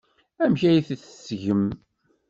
Amek ay t-tettgem?